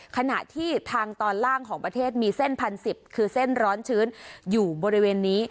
ขณะที่ทางตอนล่างของประเทศมีเส้น๑๐๑๐คือเส้นร้อนชื้นอยู่บริเวณนี้